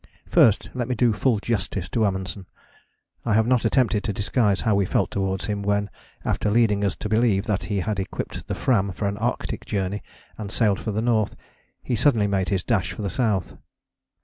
First let me do full justice to Amundsen. I have not attempted to disguise how we felt towards him when, after leading us to believe that he had equipped the Fram for an Arctic journey, and sailed for the north, he suddenly made his dash for the south.